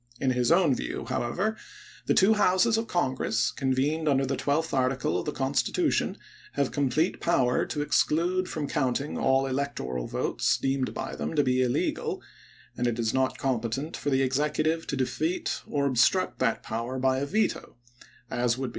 In his own view, however, the two Houses of Congress, convened under the twelfth article of the Constitution, have complete power to exclude from counting all electoral votes deemed by them to be illegal; and it is not competent for the Executive to THE SECOND INAUGUKAL 141 defeat or obstruct that power by a veto, as would be chap.